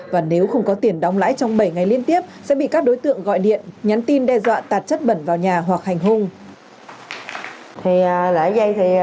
và nếu không có tiền đóng lãi trong bảy ngày liên tiếp sẽ bị các đối tượng gọi điện nhắn tin đe dọa tạt chất bẩn vào nhà hoặc hành hung